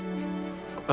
あ。